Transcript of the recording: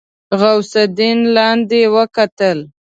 غوث الدين لاندې وکتل.